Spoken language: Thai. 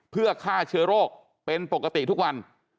เพื่อฆ่าเชื้อโรคเป็นปกติทุกวัน